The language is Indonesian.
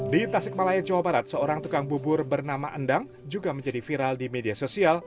di tasik malaya jawa barat seorang tukang bubur bernama endang juga menjadi viral di media sosial